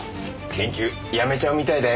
研究やめちゃうみたいだよ。